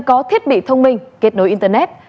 có thiết bị thông minh kết nối internet